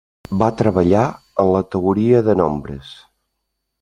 Va treballar en la teoria de nombres.